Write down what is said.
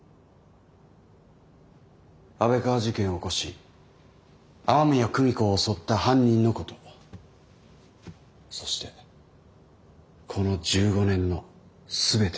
安倍川事件を起こし雨宮久美子を襲った犯人のことそしてこの１５年の全てをです。